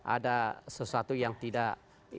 ada sesuatu yang tidak